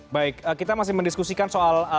baik kita masih mendiskusikan soal